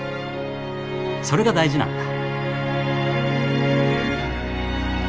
それが大事なんだ。